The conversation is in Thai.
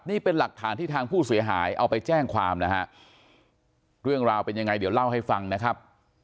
นี่เป็นหลักฐานที่ทางผู้เสียหายเอาไปแจ้งความนะฮะเรื่องราวเป็นยังไงเดี๋ยวเล่าให้ฟังนะครับ